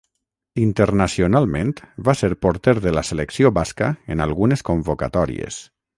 Internacionalment, va ser porter de la selecció basca en algunes convocatòries.